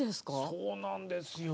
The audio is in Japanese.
そうなんですよ。